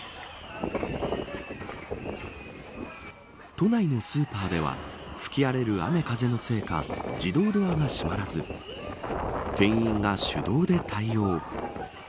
都内のスーパーでは吹き荒れる雨風のせいか自動ドアが閉まらず店員が手動で対応。